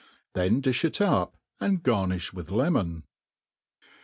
Then di(h it up, and gar^ tkifh with lemon.